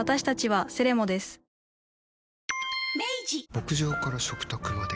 牧場から食卓まで。